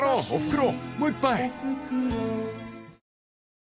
もう一杯］